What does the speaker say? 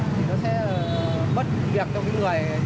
thì nó sẽ bất việc cho những người